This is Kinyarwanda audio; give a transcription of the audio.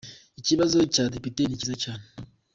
Ikibazo cya Depite ni cyiza cyane.